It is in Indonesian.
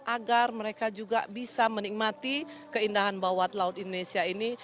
agar mereka juga bisa menikmati keindahan bawah laut indonesia ini